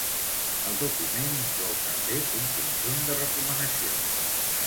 El document inclou també un conjunt de recomanacions.